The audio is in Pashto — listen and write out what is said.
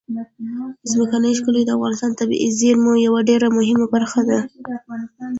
ځمکنی شکل د افغانستان د طبیعي زیرمو یوه ډېره مهمه برخه ده.